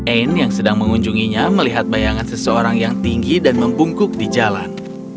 anne yang sedang mengunjunginya melihat bayangan seseorang yang tinggi dan membungkuk di jalan